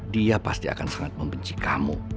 dia pasti akan sangat membenci kamu